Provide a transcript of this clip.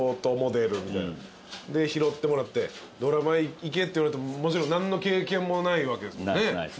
で拾ってもらってドラマへ行けって言われてももちろん何の経験もないわけですもんね。